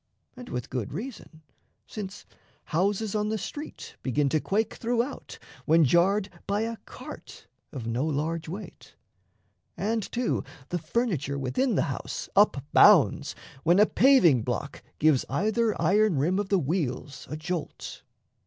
And with good reason: since houses on the street Begin to quake throughout, when jarred by a cart Of no large weight; and, too, the furniture Within the house up bounds, when a paving block Gives either iron rim of the wheels a jolt.